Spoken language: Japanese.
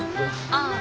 ああ。